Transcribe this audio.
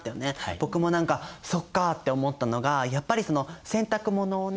僕も何かそっかって思ったのがやっぱり洗濯物をね